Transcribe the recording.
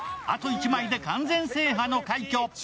あと１枚で完全制覇の快挙。